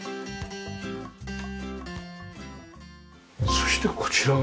そしてこちらは？